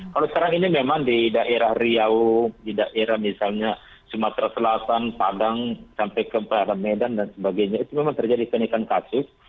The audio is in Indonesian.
kalau sekarang ini memang di daerah riau di daerah misalnya sumatera selatan padang sampai ke medan dan sebagainya itu memang terjadi peningkatan kasus